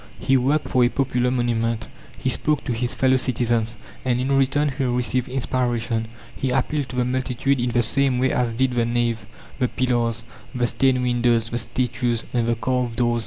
He worked for a popular monument; he spoke to his fellow citizens, and in return he received inspiration; he appealed to the multitude in the same way as did the nave, the pillars, the stained windows, the statues, and the carved doors.